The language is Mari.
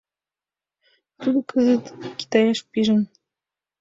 Тудо кызыт Китаеш пижын...